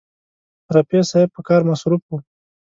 رفیع صاحب په کار مصروف و.